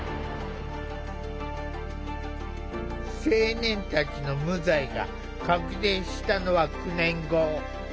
青年たちの無罪が確定したのは９年後。